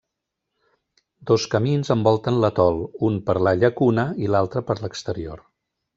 Dos camins envolten l'atol, un per la llacuna i l'altre per l'exterior.